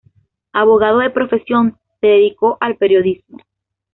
Abogado de profesión, se dedicó al periodismo.